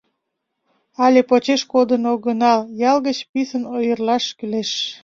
Але почеш кодын огынал, ял гыч писын ойырлаш кӱлеш.